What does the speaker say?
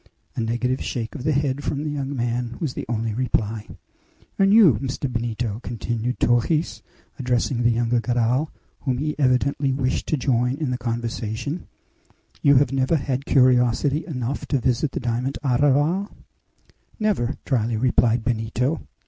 A negative shake of the head from the young man was the only reply. "And you, Mr. Benito," continued Torres, addressing the younger Garral, whom he evidently wished to join in the conversation; "you have never had curiosity enough to visit the diamond arraval?" "Never," dryly replied Benito.